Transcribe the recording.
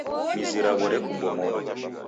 Mizi raw'o rekumbwa modo.